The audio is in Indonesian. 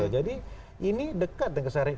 jadi ini dekat dengan keseluruhan